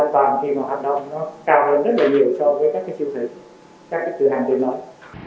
cái mức độ an toàn khi mà hoạt động nó cao hơn rất là nhiều so với các cái siêu thị các cái cửa hàng tiền lợi